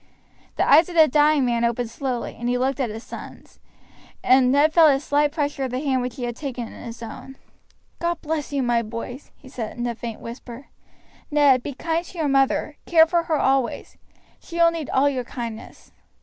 The eyes of the dying man opened slowly, and he looked at his sons, and Ned felt a slight pressure of the hand which he had taken in his own. "God bless you, my boys!" he said, in a faint whisper. "Ned, be kind to your mother; care for her always. She will need all your kindness."